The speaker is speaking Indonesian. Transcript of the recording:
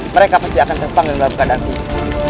mereka pasti akan terpanggang dalam keadaan ini